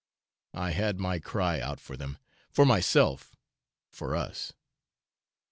I had my cry out for them, for myself, for us.